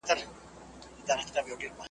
ما په کړوپه ملا کړه ځان ته د توبې دروازه بنده .